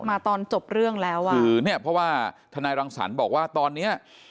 มาตอนจบเรื่องแล้วอ่ะคือเนี้ยเพราะว่าทนายรังสรรค์บอกว่าตอนเนี้ย